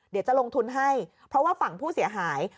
เดี๋ยวจะลงทุนให้เพราะว่าฝั่งผู้เสียหาย